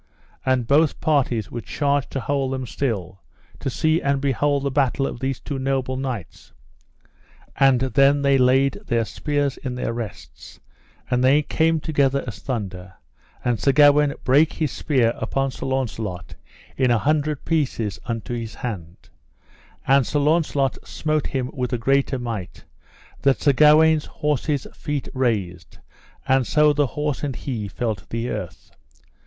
And both parties were charged to hold them still, to see and behold the battle of these two noble knights. And then they laid their spears in their rests, and they came together as thunder, and Sir Gawaine brake his spear upon Sir Launcelot in a hundred pieces unto his hand; and Sir Launcelot smote him with a greater might, that Sir Gawaine's horse's feet raised, and so the horse and he fell to the earth.